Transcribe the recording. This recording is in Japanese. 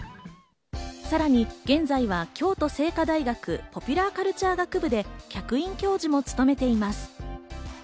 さらに現在は京都精華大学ポピュラーカルチャー学部で客員教授も務めています。